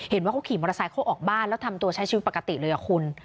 เห็นว่าเขาขี่มอเตอร์ไซค์เขาออกบ้านแล้วทำตัวใช้ชีวิตปกติเลยอ่ะคุณ